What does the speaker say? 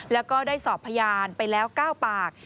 แล้วก็ได้สอบพยานไปแล้ว๙ปาก